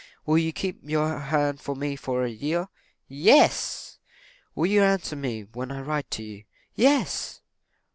"Will you keep your hand for me for a year?" "Yes!" "Will you answer me when I write to you?" "Yes!"